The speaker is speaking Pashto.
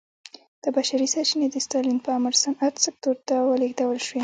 دا بشري سرچینې د ستالین په امر صنعت سکتور ته ولېږدول شوې